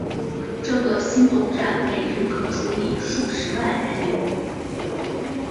这个新总站每日可处理数十万人流。